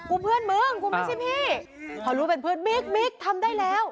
เพื่อนมึงกูไม่ใช่พี่พอรู้เป็นเพื่อนบิ๊กบิ๊กทำได้แล้ว